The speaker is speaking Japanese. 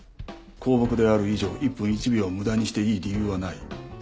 公僕である以上一分一秒を無駄にしていい理由はない。